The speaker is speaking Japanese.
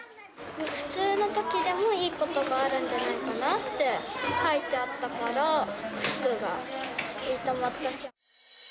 普通のときでもいいことがあるんじゃないかなって書いてあったから、福がいいと思ったし。